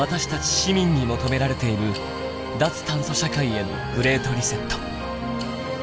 市民に求められている脱炭素社会へのグレート・リセット。